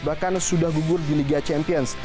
bahkan sudah gugur di liga champions